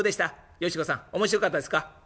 よし子さん面白かったですか？」。